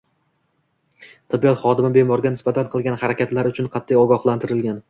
Tibbiyot xodimi bemorga nisbatan qilgan harakatlari uchun qat’iy ogohlantirilgan